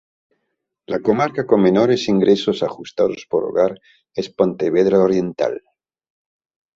La comarca con menores ingresos ajustados por hogar es Pontevedra Oriental.